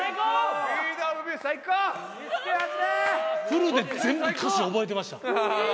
フルで全部歌詞覚えてました。